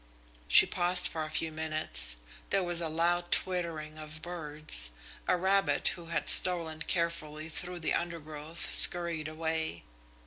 She paused for a few minutes. There was a loud twittering of birds. A rabbit who had stolen carefully through the undergrowth scurried away.